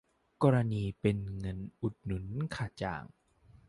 กรณีเป็นเงินอุดหนุนค่าจ้าง